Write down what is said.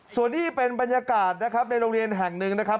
ส่วนนี้เป็นบรรยากาศนะครับในโรงเรียนแห่งหนึ่งนะครับ